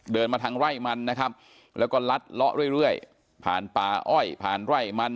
มาทางไร่มันนะครับแล้วก็ลัดเลาะเรื่อยผ่านป่าอ้อยผ่านไร่มัน